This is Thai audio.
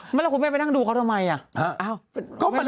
เมื่อแล้วคุณแม่ไปดูเขาทำไม